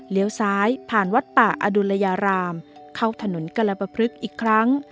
ซ้ายผ่านวัดป่าอดุลยารามเข้าถนนกรปพลึกอีกครั้ง